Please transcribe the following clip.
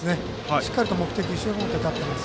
しっかり目的もって立っています。